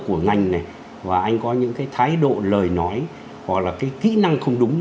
của ngành này và anh có những cái thái độ lời nói hoặc là cái kỹ năng không đúng